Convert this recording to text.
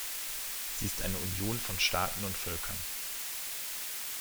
Sie ist eine Union von Staaten und Völkern.